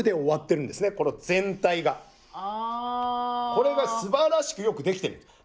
これがすばらしくよく出来ている。